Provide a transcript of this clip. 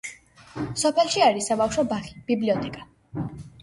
სოფელში არის საბავშვო ბაღი, ბიბლიოთეკა.